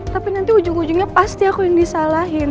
tapi nanti ujung ujungnya pasti aku yang disalahin